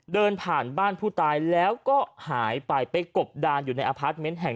เดินผ่านบ้านผู้ตายแล้วก็หายไปไปกบดานอยู่ในอพาร์ทเมนต์แห่ง